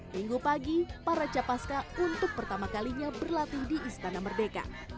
minggu pagi para capaska untuk pertama kalinya berlatih di istana merdeka